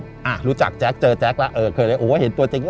ภั้นคมจากแจ๊คเจอแจ๊คเคยเลยเห็นตัวจัง